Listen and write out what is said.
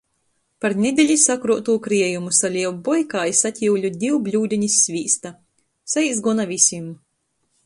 Par nedeļu sakruotū kriejumu salieju boikā i sakiuļu div bļūdenis svīksta. Saīs gona vysim.